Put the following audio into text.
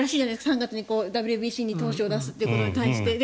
３月にＷＢＣに投手を出すということに対して。